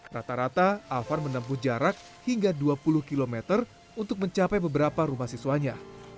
rata rata afan menempuh jarak hingga dua puluh km untuk mencapai beberapa rumah siswanya